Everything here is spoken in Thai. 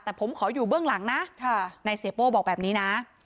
แต่ผมขออยู่เบื้องหลังนะนายเสียโป้บอกแบบนี้นะ